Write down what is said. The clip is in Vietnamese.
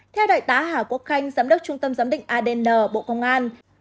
theo đại tá hà quốc khanh giám đốc trung tâm giám định adn bộ công an